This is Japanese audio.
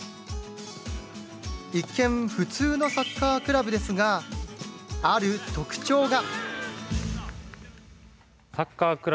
一見、普通のサッカークラブですが、ある特徴が。